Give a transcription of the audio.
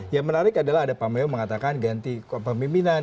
yang menarik adalah ada pak meo mengatakan ganti pemimpinan